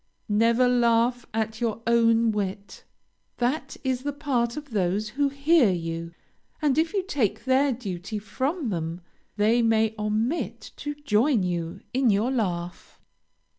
Never laugh at your own wit. That is the part of those who hear you, and if you take their duty from them, they may omit to join you in your laugh.